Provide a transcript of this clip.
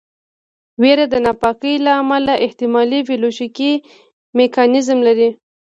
ویره د ناپاکۍ له امله احتمالي بیولوژیکي میکانیزم لري.